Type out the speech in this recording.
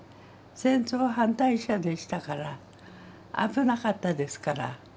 戦争反対者でしたから危なかったですから。